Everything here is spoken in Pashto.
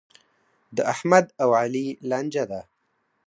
د احمد او علي لانجه ده.